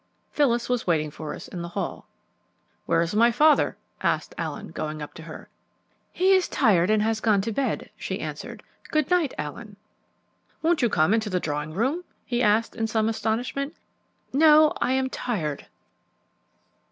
Phyllis was waiting for us in the hall. "Where is my father?" asked Allen, going up to her. "He is tired and has gone to bed," she answered. "Good night, Allen." "Won't you come into the drawing room?" he asked in some astonishment. "No, I am tired."